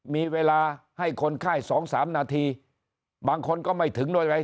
มีเวลาให้คนไข้สองสามนาทีบางคนก็ไม่ถึงโดยไง